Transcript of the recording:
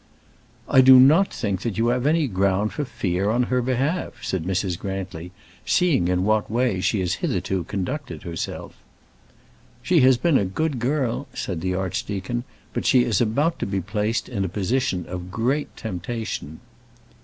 "I do not think that you have any ground for fear on her behalf," said Mrs. Grantly, "seeing in what way she has hitherto conducted herself." "She has been a good girl," said the archdeacon, "but she is about to be placed in a position of great temptation."